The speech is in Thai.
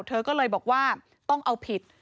เธอก็เลยบอกว่าต้องเอาผิด